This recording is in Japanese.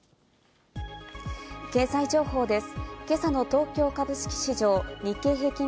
経済情報です。